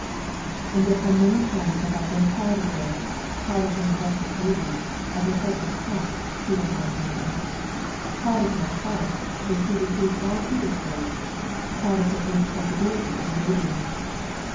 " And yet how many times I have been proud of her, — proud of her majestic beauty, of her social tact," he went on think ing, —" proud of my house, where she received all Petersburg, — proud of her inaccessibility and radiance.